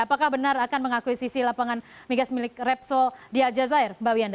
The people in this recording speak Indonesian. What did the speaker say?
apakah benar akan mengakuisisi lapangan migas milik repsol di aja zair mbak wiyanda